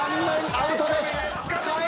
アウトです。